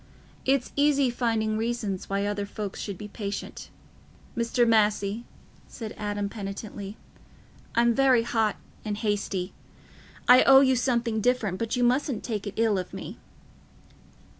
It's easy finding reasons why other folks should be patient." "Mr. Massey," said Adam penitently, "I'm very hot and hasty. I owe you something different; but you mustn't take it ill of me."